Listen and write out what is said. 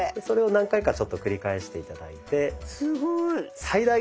それを何回かちょっと繰り返して頂いて。